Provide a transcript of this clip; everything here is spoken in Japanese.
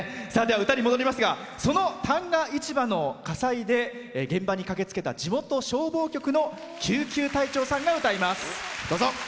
その旦過市場の火災で現場に駆けつけた地元消防局の救急隊長さんが歌います。